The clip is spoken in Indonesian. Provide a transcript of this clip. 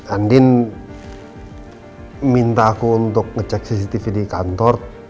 andin minta aku untuk ngecek cctv di kantor